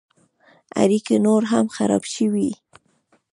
اړیکې نور هم خراب شوې.